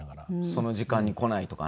その時間に来ないとかね。